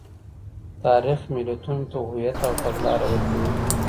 تاریخ ملتونو ته هویت او تګلاره ورکوي.